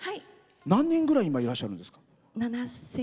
何人ぐらい今いらっしゃるんですか？